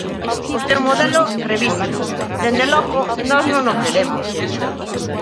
O seu modelo, revíseno; dende logo, nós non o queremos.